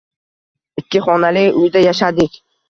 Ikki xonali uyda yashadik